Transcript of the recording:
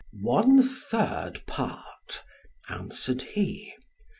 "One third part," answered he.